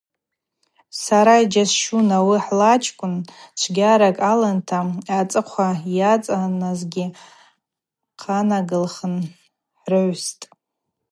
Сара йджьасщун: ауи хӏлачкӏвын чвгьаракӏ аланта – ацӏыхъва йацӏанагазгьи хъанагылхын хӏрыгӏвстӏ.